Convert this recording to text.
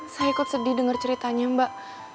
saya kok sedih denger ceritanya mbak